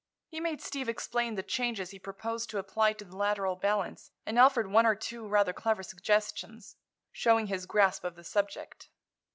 He made Steve explain the changes he proposed to apply to the lateral balance and offered one or two rather clever suggestions, showing his grasp of the subject.